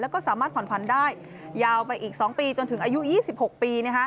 แล้วก็สามารถผ่อนผันได้ยาวไปอีก๒ปีจนถึงอายุ๒๖ปี